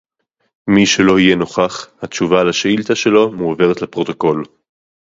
מי שלא יהיה נוכח - התשובה על השאילתא שלו מועברת לפרוטוקול